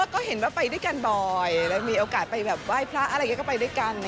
ก็เห็นว่าไปด้วยกันบ่อยแล้วมีโอกาสไปแบบไหว้พระอะไรอย่างนี้ก็ไปด้วยกัน